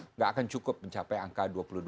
tidak akan cukup mencapai angka dua puluh dua